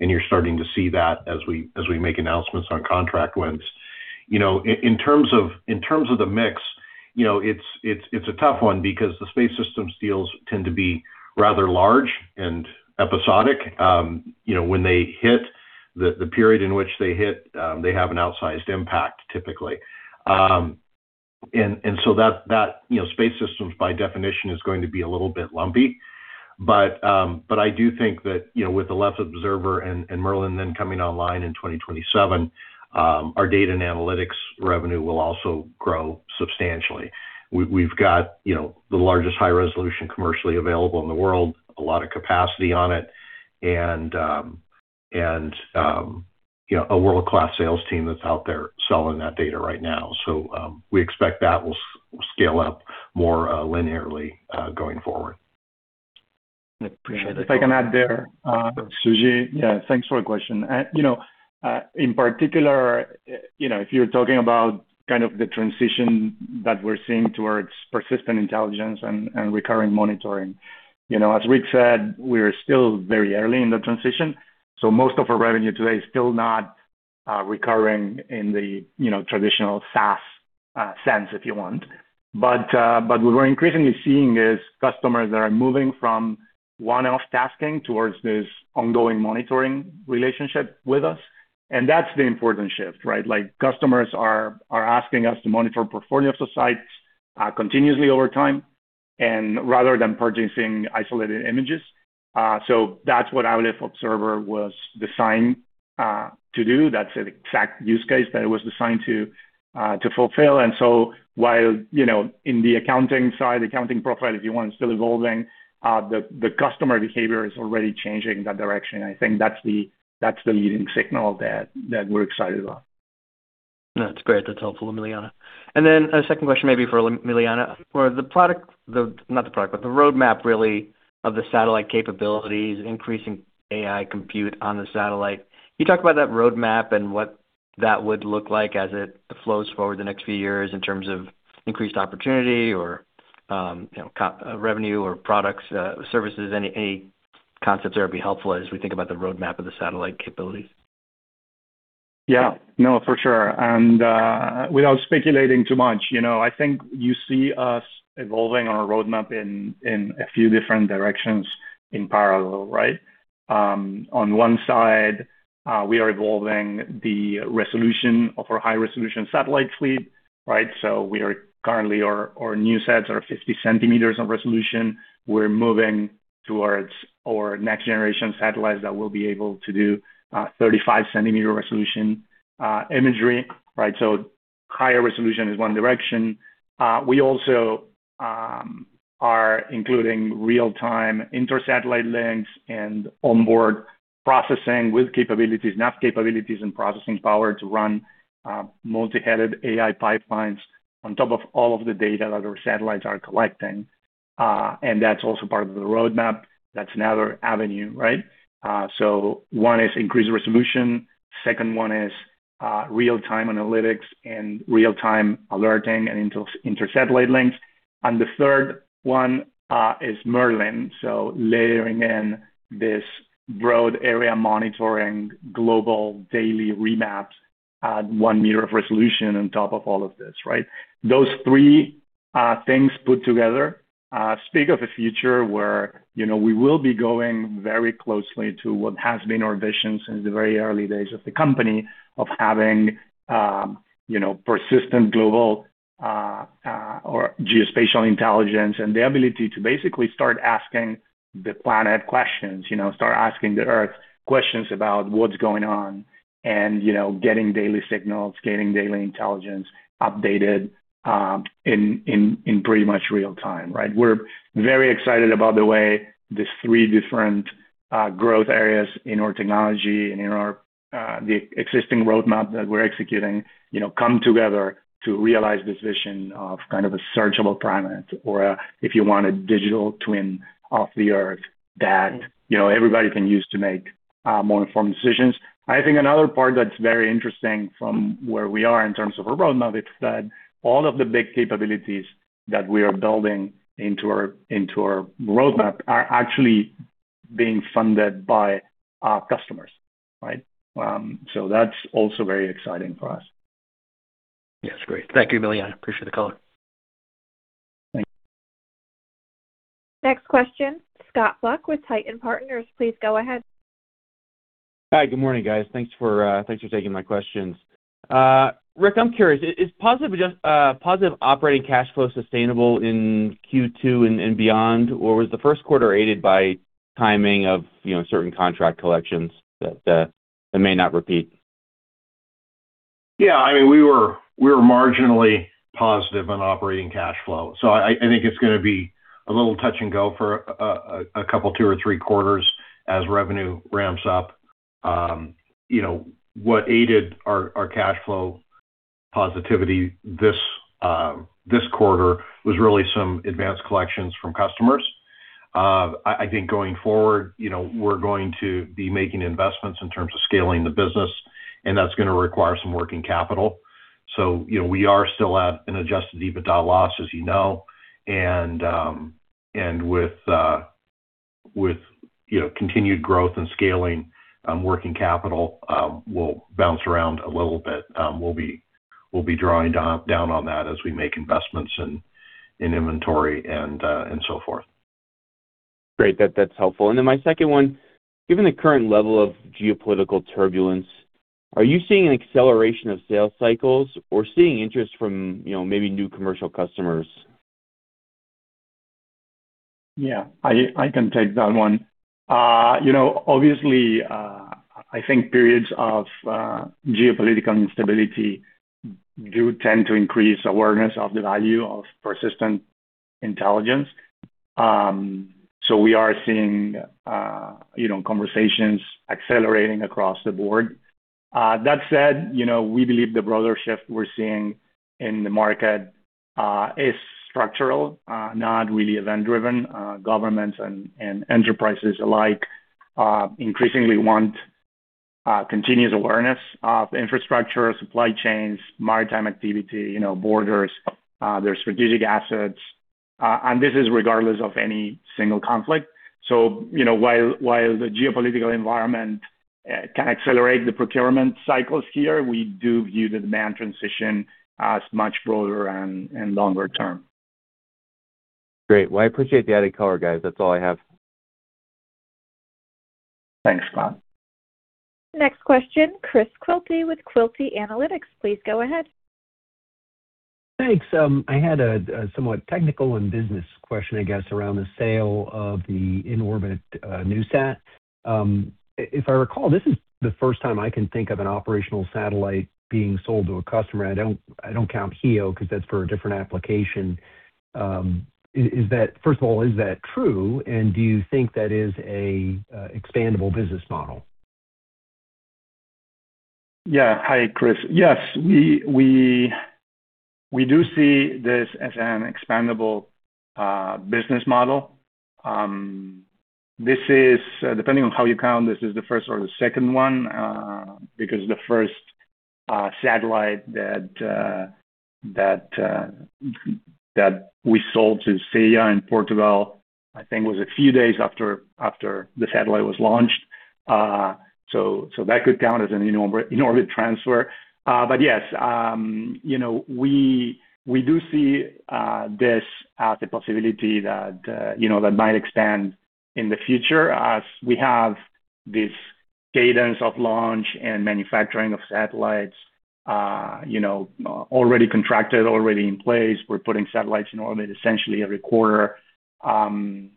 You're starting to see that as we make announcements on contract wins. You know, in terms of the mix, you know, it's a tough one because the space systems deals tend to be rather large and episodic. You know, when they hit the period in which they hit, they have an outsized impact typically. That, you know, space systems by definition is going to be a little bit lumpy. I do think that, you know, with the Aleph Observer and Merlin then coming online in 2027, our data and analytics revenue will also grow substantially. We've got, you know, the largest high resolution commercially available in the world, a lot of capacity on it, and, um, you know, a world-class sales team that's out there selling that data right now. We expect that will scale up more linearly going forward. If I can add there, Suji. Yeah, thanks for the question. In particular, you know, if you're talking about kind of the transition that we're seeing towards persistent intelligence and recurring monitoring. You know, as Rick said, we're still very early in the transition, so most of our revenue today is still not recurring in the traditional SaaS sense, if you want. What we're increasingly seeing is customers that are moving from one-off tasking towards this ongoing monitoring relationship with us. That's the important shift, right? Like, customers are asking us to monitor portfolio of sites continuously over time and rather than purchasing isolated images. That's what our Aleph Observer was designed to do. That's the exact use case that it was designed to fulfill. While, you know, in the accounting side, accounting profile, if you want, is still evolving, the customer behavior is already changing in that direction. I think that's the leading signal that we're excited about. No, that's great. That's helpful, Emiliano. A second question maybe for Emiliano. For the product, not the product, but the roadmap really of the satellite capabilities, increasing AI compute on the satellite. Can you talk about that roadmap and what that would look like as it flows forward the next few years in terms of increased opportunity? You know, co- revenue or products, services, any concepts that would be helpful as we think about the roadmap of the satellite capabilities? Yeah. No, for sure. Without speculating too much, you know, I think you see us evolving our roadmap in a few different directions in parallel, right? On one side, we are evolving the resolution of our high-resolution satellite fleet, right? We are currently our NewSat are 50 cm of resolution. We're moving towards our next generation satellites that will be able to do 35 cm resolution imagery, right? Higher resolution is one direction. We also are including real-time inter-satellite links and onboard processing with capabilities, enough capabilities and processing power to run multi-headed AI pipelines on top of all of the data that our satellites are collecting. That's also part of the roadmap. That's another avenue, right? One is increased resolution. Second one is real-time analytics and real-time alerting and inter-satellite links. The third one is Merlin. Layering in this broad area monitoring global daily remaps at 1 m of resolution on top of all of this, right? Those three things put together speak of a future where, you know, we will be going very closely to what has been our vision since the very early days of the company of having, you know, persistent global or geospatial intelligence and the ability to basically start asking the planet questions. You know, start asking the Earth questions about what's going on and, you know, getting daily signals, getting daily intelligence updated in pretty much real time, right? We're very excited about the way these 3 different growth areas in our technology and in our the existing roadmap that we're executing, you know, come together to realize this vision of kind of a searchable planet or, if you want a digital twin of the Earth that, you know, everybody can use to make more informed decisions. I think another part that's very interesting from where we are in terms of our roadmap is that all of the big capabilities that we are building into our, into our roadmap are actually being funded by our customers, right? That's also very exciting for us. Yes. Great. Thank you, Emiliano. I appreciate the color. Thank you. Next question, Scott Buck with Titan Partners. Please go ahead. Hi. Good morning, guys. Thanks for, thanks for taking my questions. Rick, I'm curious, is positive operating cash flow sustainable in Q2 and beyond? Or was the first quarter aided by timing of, you know, certain contract collections that may not repeat? Yeah, I mean, we were marginally positive on operating cash flow. I think it's going to be a little touch and go for a couple two or three quarters as revenue ramps up. You know, what aided our cash flow positivity this quarter was really some advanced collections from customers. I think going forward, you know, we're going to be making investments in terms of scaling the business, and that's going to require some working capital. You know, we are still at an adjusted EBITDA loss, as you know. And with, you know, continued growth and scaling, working capital will bounce around a little bit. We'll be drawing down on that as we make investments in inventory and so forth. Great. That, that's helpful. Then my second one: Given the current level of geopolitical turbulence, are you seeing an acceleration of sales cycles or seeing interest from, you know, maybe new commercial customers? I can take that one. You know, obviously, I think periods of geopolitical instability do tend to increase awareness of the value of persistent intelligence. We are seeing, you know, conversations accelerating across the board. That said, you know, we believe the broader shift we're seeing in the market is structural, not really event-driven. Governments and enterprises alike increasingly want continuous awareness of infrastructure, supply chains, maritime activity, you know, borders, their strategic assets. This is regardless of any single conflict. You know, while the geopolitical environment can accelerate the procurement cycles here, we do view the demand transition as much broader and longer term. Great. Well, I appreciate the added color, guys. That's all I have. Thanks, Scott. Next question, Chris Quilty with Quilty Analytics. Please go ahead. Thanks. I had a somewhat technical and business question, I guess, around the sale of the in-orbit NewSat. If I recall, this is the first time I can think of an operational satellite being sold to a customer. I don't count HEO because that's for a different application. Is that first of all, is that true? Do you think that is an expandable business model? Hi, Chris. We do see this as an expandable business model. This is, depending on how you count, this is the first or the second one, because the satellite that we sold to in Portugal, I think was a few days after the satellite was launched. So that could count as an in-orbit transfer. Yes, you know, we do see this as a possibility that, you know, that might expand in the future as we have this cadence of launch and manufacturing of satellites, already contracted, already in place. We're putting satellites in orbit essentially every quarter. We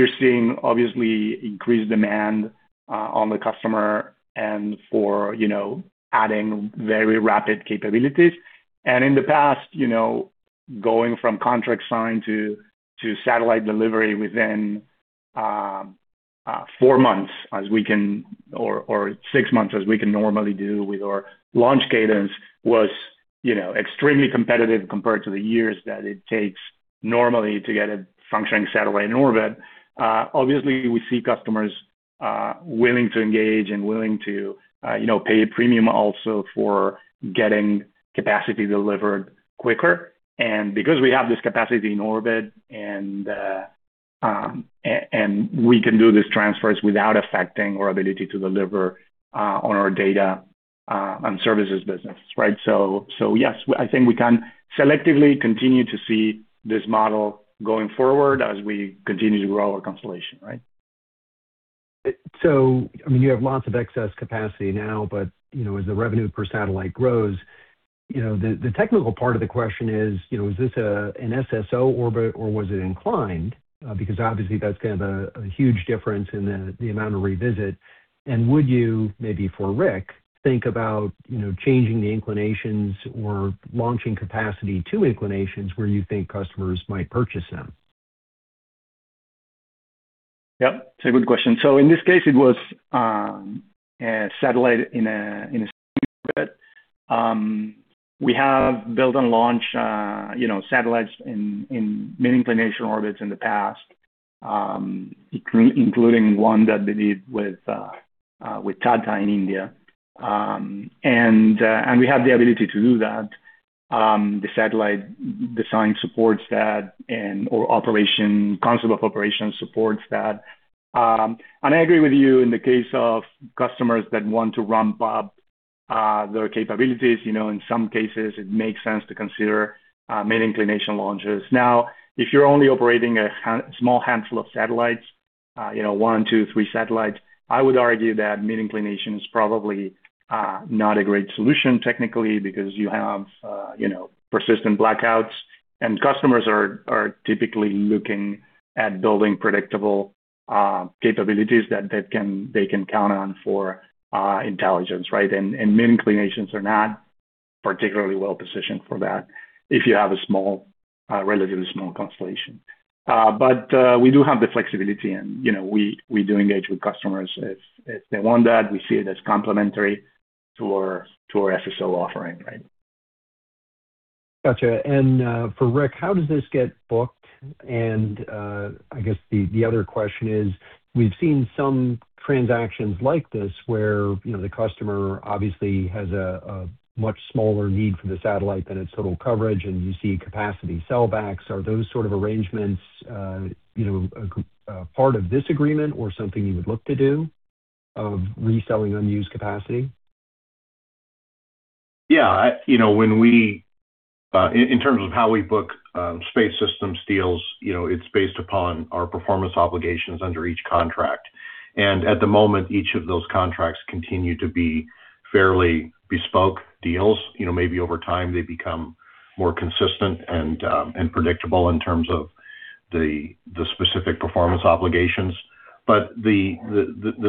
are seeing obviously increased demand on the customer and for, you know, adding very rapid capabilities. In the past, you know, going from contract signed to satellite delivery within four months as we can or six months as we can normally do with our launch cadence was, you know, extremely competitive compared to the years that it takes normally to get a functioning satellite in orbit. Obviously we see customers willing to engage and willing to, you know, pay a premium also for getting capacity delivered quicker. Because we have this capacity in orbit and we can do these transfers without affecting our ability to deliver on our data and services business, right? Yes, I think we can selectively continue to see this model going forward as we continue to grow our constellation, right? I mean, you have lots of excess capacity now, but, you know, as the revenue per satellite grows, you know, the technical part of the question is, you know, is this an SSO orbit or was it inclined? Because obviously that's kind of a huge difference in the amount of revisit. Would you, maybe for Rick, think about, you know, changing the inclinations or launching capacity to inclinations where you think customers might purchase them? Yep. It's a good question. In this case, it was a satellite in a orbit. We have built and launched, you know, satellites in many inclination orbits in the past, including one that we did with Tata in India. We have the ability to do that. The satellite design supports that and our operation, concept of operation supports that. I agree with you in the case of customers that want to ramp up their capabilities. You know, in some cases it makes sense to consider mid-inclination launches. If you're only operating a small handful of satellites, you know, one, two, three satellites, I would argue that mid inclination is probably not a great solution technically because you have, you know, persistent blackouts. Customers are typically looking at building predictable capabilities that they can count on for intelligence, right? Mid inclinations are not particularly well-positioned for that if you have a small, relatively small constellation. We do have the flexibility and, you know, we do engage with customers if they want that. We see it as complementary to our SSO offering, right? Gotcha. For Rick, how does this get booked? I guess the other question is, we've seen some transactions like this where, you know, the customer obviously has a much smaller need for the satellite than its total coverage, and you see capacity sellbacks. Are those sort of arrangements, you know, part of this agreement or something you would look to do, of reselling unused capacity? You know, when we, in terms of how we book space systems deals, you know, it's based upon our performance obligations under each contract. At the moment, each of those contracts continue to be fairly bespoke deals. You know, maybe over time they become more consistent and predictable in terms of the specific performance obligations. The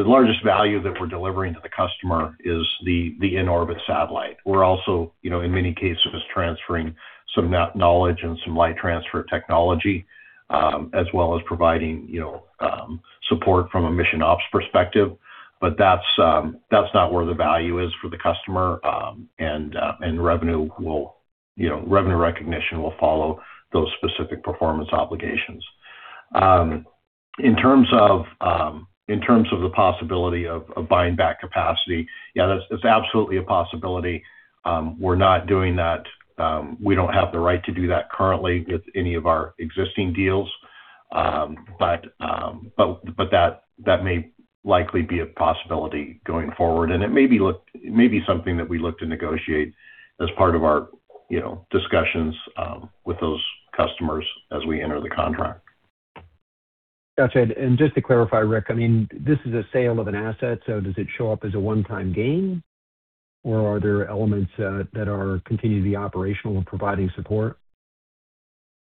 largest value that we're delivering to the customer is the in-orbit satellite. We're also, you know, in many cases transferring some knowledge and some light transfer technology, as well as providing, you know, support from a mission ops perspective. That's not where the value is for the customer. Revenue will, you know, revenue recognition will follow those specific performance obligations. In terms of, in terms of the possibility of buying back capacity, yeah, that's, it's absolutely a possibility. We're not doing that. We don't have the right to do that currently with any of our existing deals. But that may likely be a possibility going forward. It may be something that we look to negotiate as part of our, you know, discussions with those customers as we enter the contract. Gotcha. Just to clarify, Rick, I mean, this is a sale of an asset, so does it show up as a one-time gain or are there elements that are continue to be operational in providing support?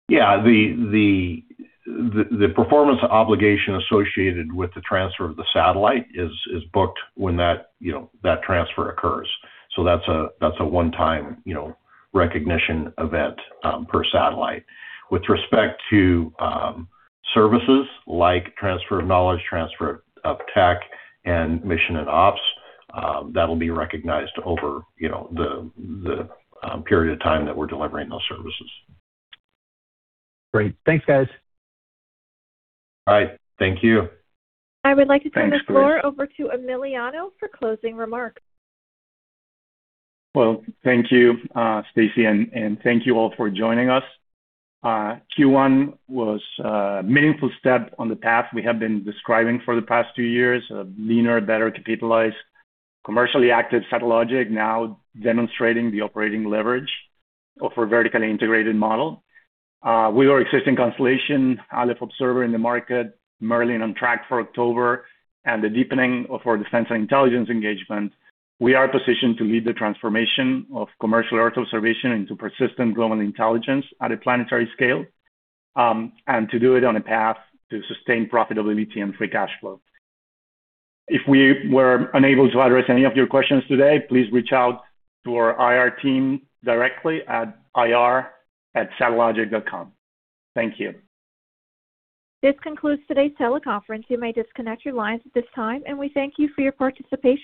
The performance obligation associated with the transfer of the satellite is booked when that, you know, that transfer occurs. That's a, that's a one-time, you know, recognition event per satellite. With respect to services like transfer of knowledge, transfer of tech, and mission and ops, that'll be recognized over, you know, the period of time that we're delivering those services. Great. Thanks, guys. All right. Thank you. I would like to turn the floor over to Emiliano for closing remarks. Thank you, Stacy, and thank you all for joining us. Q1 was a meaningful step on the path we have been describing for the past two years. A leaner, better capitalized, commercially active Satellogic now demonstrating the operating leverage of our vertically integrated model. With our existing constellation, Aleph Observer in the market, Merlin on track for October, and the deepening of our defense and intelligence engagement, we are positioned to lead the transformation of commercial earth observation into persistent global intelligence at a planetary scale. To do it on a path to sustained profitability and free cash flow. If we were unable to address any of your questions today, please reach out to our IR team directly at ir@satellogic.com. Thank you. This concludes today's teleconference. You may disconnect your lines at this time, and we thank you for your participation.